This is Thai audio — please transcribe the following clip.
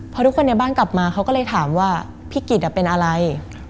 พอทุกคนในบ้านกลับมาเขาก็เลยถามว่าพี่กิจเป็นอะไร